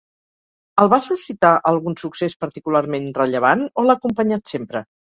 El va suscitar algun succés particularment rellevant o l’ha acompanyat sempre?